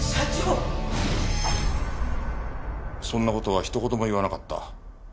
そんな事は一言も言わなかった。